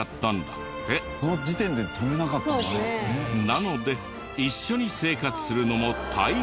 なので一緒に生活するのも大変！